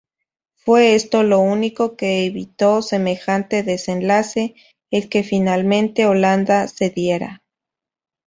Fue esto lo único que evitó semejante desenlace, el que finalmente Holanda cediera.